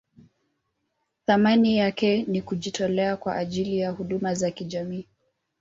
Thamani yake ni kujitolea kwa ajili ya huduma za kijamii.